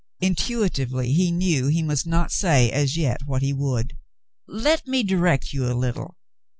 Intuitively he knew he must not say as yet what he would. "Let me direct you a little.